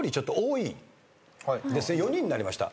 ４人になりました。